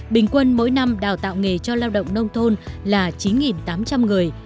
bình quân mỗi năm đào tạo nghề cho lao động nông thôn là chín tám trăm linh người